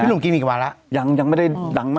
พี่หนุ่มกินอีกวันแล้ว